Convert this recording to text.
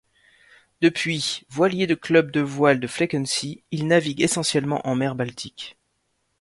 Depuis, voilier de Club de voile de Flakensee, il navigue essentiellement en mer Baltique.